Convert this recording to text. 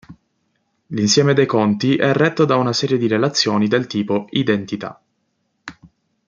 L'insieme dei conti è retto da una serie di relazioni del tipo "identità".